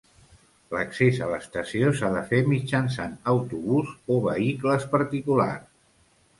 L'accés a l'estació s'ha de fer mitjançant autobús o vehicles particulars.